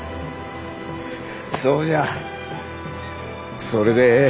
そうじゃそれでええ！